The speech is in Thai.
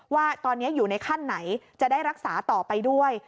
ว่าตอนนี้อยู่ในขั้นไหนจะได้รักษาต่อไปด้วย